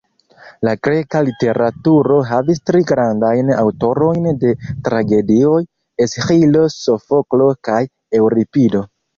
La greka literaturo havis tri grandajn aŭtorojn de tragedioj: Esĥilo, Sofoklo kaj Eŭripido.